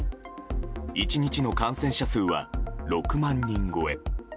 １日の感染者数は６万人超え。